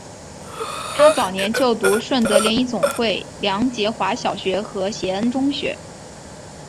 她早年就读顺德联谊总会梁洁华小学和协恩中学。